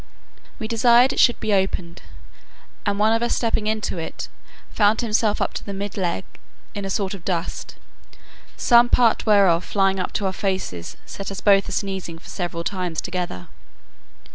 We desired it should be opened, and one of us stepping into it, found himself up to the mid leg in a sort of dust, some part whereof flying up to our faces set us both a sneezing for several times together.